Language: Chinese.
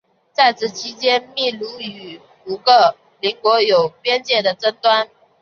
在此期间秘鲁也与五个邻国有边界争端。